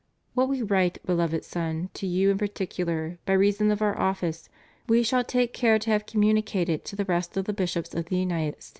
* What We write. Beloved Son, to you in particular, by reason of Our office, we shall take care to have communi cated to the rest of the bishops of the United States, » S.